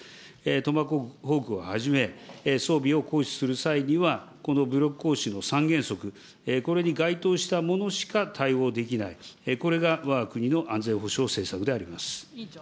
トマホークをはじめ、装備を行使する際には、この武力行使の３原則、これに該当したものしか対応できない、これがわが国の安全保障政策であります。